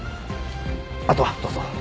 あとはどうぞ。